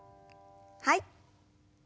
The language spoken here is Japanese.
はい。